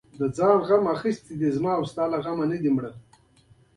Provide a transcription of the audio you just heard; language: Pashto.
سټیونز د منډلینډ صادراتو ته لېوالتیا نه درلوده.